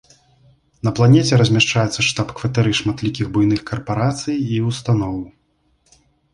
На планеце размяшчаюцца штаб-кватэры шматлікіх буйных карпарацый і ўстаноў.